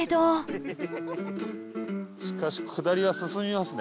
しかし下りは進みますね。